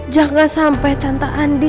jangan sampai tante andi